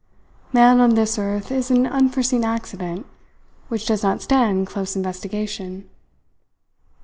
Man on this earth is an unforeseen accident which does not stand close investigation.